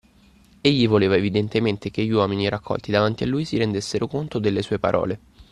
Egli voleva evidentemente che gli uomini raccolti davanti a lui si rendessero conto delle sue parole.